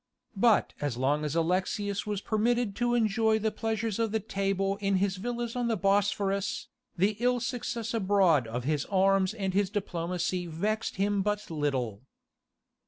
But as long as Alexius was permitted to enjoy the pleasures of the table in his villas on the Bosphorus, the ill success abroad of his arms and his diplomacy vexed him but little.